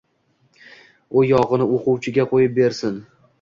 U yog‘ini o‘quvchiga qo‘yib bersin.